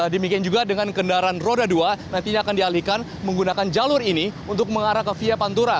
demikian juga dengan kendaraan roda dua nantinya akan dialihkan menggunakan jalur ini untuk mengarah ke via pantura